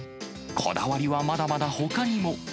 こだわりはまだまだほかにも。